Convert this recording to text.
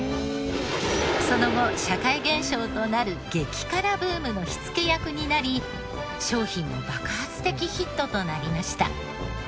その後社会現象となる激辛ブームの火付け役になり商品も爆発的ヒットとなりました。